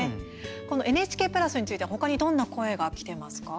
このＮＨＫプラスについてはほかにどんな声がきていますか？